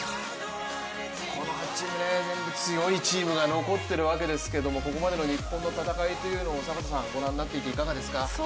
この８チーム、全部強いチームが残っているわけですけどここまでの日本の戦いというのを迫田さん、ご覧になっていていかがですか？